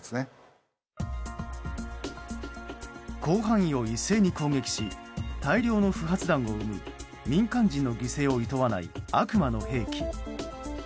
広範囲を一斉に攻撃し大量の不発弾を生む民間人の犠牲をいとわない悪魔の兵器。